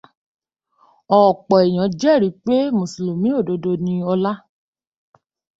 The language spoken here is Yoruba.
Ọ̀pọ̀ èèyàn jẹ́rìí pé Mùsùlùmí òdodo ni Ọlá.